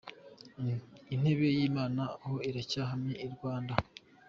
Intebe y’Imana aho iracyahamye i Rwanda?.